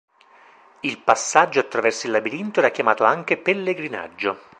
Il passaggio attraverso il labirinto era chiamato anche "pellegrinaggio".